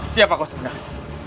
siapa kau sebenarnya